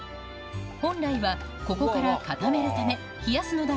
本来はここから固めるため冷やすのだが